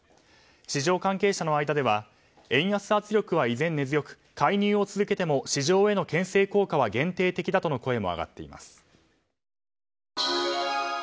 市場関係者の間では円安圧力は依然、根強く介入を続けても市場への牽制効果は限定的だとの声も上がっています。